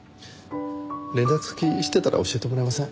連絡先知ってたら教えてもらえません？